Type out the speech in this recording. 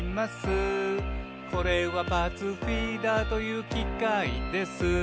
「これはパーツフィーダーというきかいです」